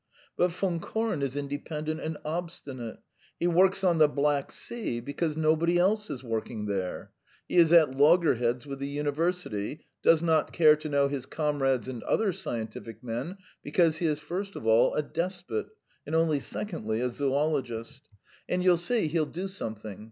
But Von Koren is independent and obstinate: he works on the Black Sea because nobody else is working there; he is at loggerheads with the university, does not care to know his comrades and other scientific men because he is first of all a despot and only secondly a zoologist. And you'll see he'll do something.